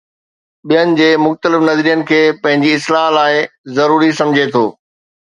ٻين جي مختلف نظرين کي پنهنجي اصلاح لاءِ ضروري سمجهي ٿو.